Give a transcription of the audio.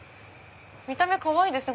見た目かわいいですね